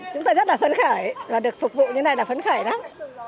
chúng ta rất là phấn khởi và được phục vụ như thế này là phấn khởi lắm